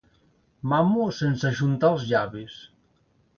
Mamo sense ajuntar els llavis.